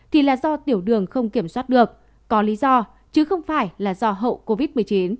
thì là do tiểu đường không kiểm soát được có lý do chứ không phải là do hậu covid một mươi chín